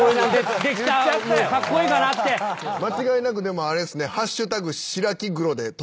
間違いなくでもあれですね